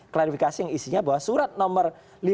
klarifikasi yang isinya bahwa surat nomor